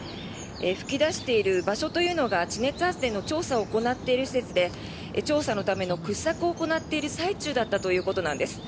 噴き出している場所というのが地熱発電の調査を行っている施設で調査のための掘削を行っている最中だったということです。